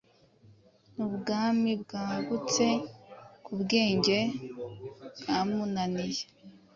Nubwami bwagutse kububwenge bwamunaniye